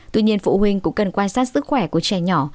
tuy nhiên phụ huynh cũng cần quan sát sức khỏe của trẻ nhỏ